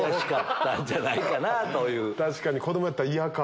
確かに子供やったら嫌か。